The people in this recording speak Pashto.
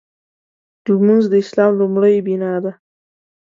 لمونځ د اسلام لومړۍ بناء ده.